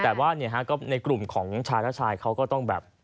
แต่ว่าในกลุ่มของชายและชายเขาก็ต้องแบบ